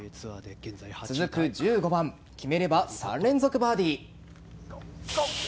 続く１５番決めれば３連続バーディー。